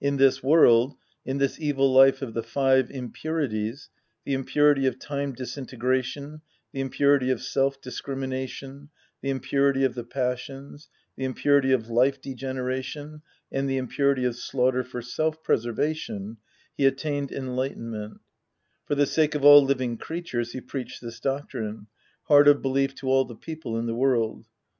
In this world, in this evil life of the five impurities — the impurity of time disintegration, the impurity of self dis crimination, the impurity of the passions, the impurity of life degeneration and the impurity of slaughter for self preservation — he attained enlightenment For the sake of all living crea tures, he preached this doctrine, hard of belief to all the people in the world.